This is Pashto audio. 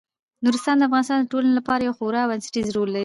نورستان د افغانستان د ټولنې لپاره یو خورا بنسټيز رول لري.